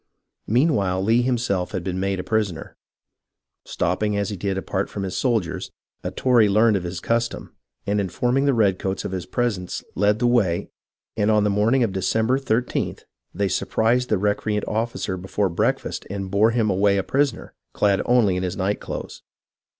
Meanwhile Lee himself had been made a prisoner. Stopping as he did apart from his soldiers, a Tory learned of his custom, and informing the redcoats of his presence led the way ; and on the morning of Decem ber 13th they surprised the recreant officer before breakfast and bore him away a prisoner, clad only in his night clothes.